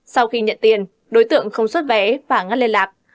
sau khi nhận tiền đối tượng không xuất vé và ngắt liên lạc